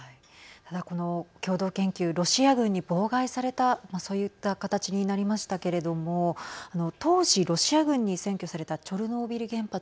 この共同研究ロシア軍に妨害されたそういった形になりましたけれども当時、ロシア軍に占拠されたチョルノービリ原発。